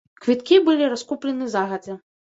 Квіткі былі раскуплены загадзя.